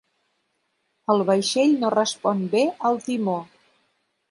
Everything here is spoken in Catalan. El vaixell no respon bé al timó.